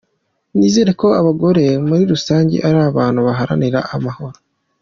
Nizera ko abagore muri rusange ari abantu baharanira amahoro.